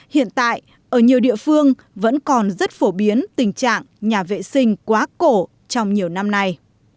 hiện tại ở nhiều địa phương vẫn còn rất phổ biến tình trạng nhà vệ sinh quá cổ trong nhiều năm nay